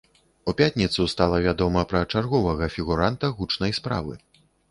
У пятніцу стала вядома пра чарговага фігуранта гучнай справы.